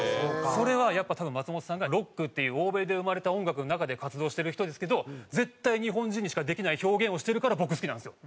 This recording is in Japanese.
それはやっぱ松本さんがロックっていう欧米で生まれた音楽の中で活動してる人ですけど絶対日本人にしかできない表現をしてるから僕好きなんですよ。